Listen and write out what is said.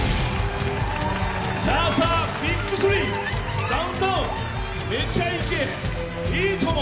さあさあ、ＢＩＧ３ダウンタウンめちゃイケ、いいとも！